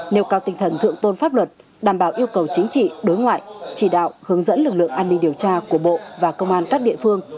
nêu cao tinh thần thượng tôn pháp luật đảm bảo yêu cầu chính trị đối ngoại chỉ đạo hướng dẫn lực lượng an ninh điều tra của bộ và công an các địa phương